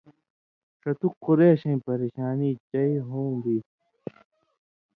ݜتُک قُریشَیں پریۡشانی چئ ہوں بیسیۡ